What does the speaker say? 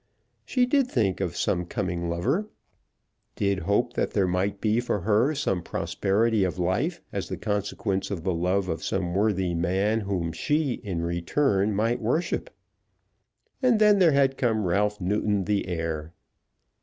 She did think of some coming lover, did hope that there might be for her some prosperity of life as the consequence of the love of some worthy man whom she, in return, might worship. And then there had come Ralph Newton the heir.